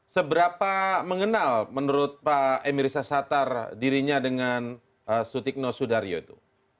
seberapa mengenal menurut pak emir sashatar dirinya dengan sutikno sudaryo itu